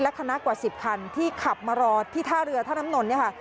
คณะกว่า๑๐คันที่ขับมารอที่ท่าเรือท่าน้ำนนเนี่ยค่ะ